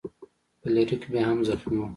فلیریک بیا هم زخمی و.